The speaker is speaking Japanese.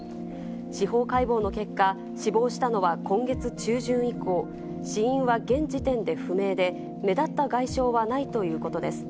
司法解剖の結果、死亡したのは今月中旬以降、死因は現時点で不明で、目立った外傷はないということです。